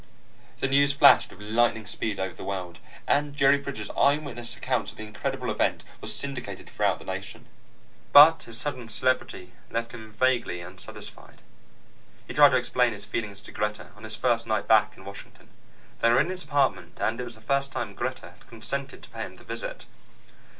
The news flashed with lightning speed over the world, and Jerry Bridges' eyewitness accounts of the incredible event was syndicated throughout the nation. But his sudden celebrity left him vaguely unsatisfied. He tried to explain his feeling to Greta on his first night back in Washington. They were in his apartment, and it was the first time Greta had consented to pay him the visit.